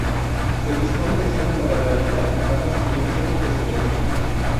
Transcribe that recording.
Se dispone de zona para realizar acampadas y de un centro de senderismo.